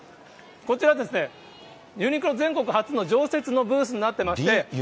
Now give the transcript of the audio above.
こちらですね、ユニクロ全国初の常設のブースになってまして。